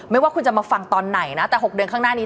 ว่าคุณจะมาฟังตอนไหนนะแต่๖เดือนข้างหน้านี้